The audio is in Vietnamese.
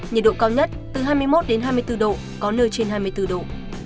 nhiệt độ cao nhất từ hai mươi một đến hai mươi bốn độ có nơi trên hai mươi bốn độ